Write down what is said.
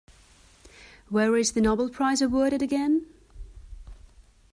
Where is the Nobel Prize awarded again?